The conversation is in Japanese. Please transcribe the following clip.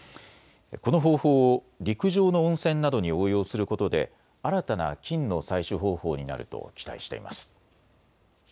この方法を陸上の温泉などに応用することで新たな金の採取方法になると期待しています。